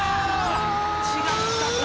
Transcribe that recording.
違ったか。